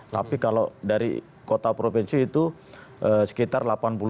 tapi kalau dari kota provinsi itu sekitar delapan puluh delapan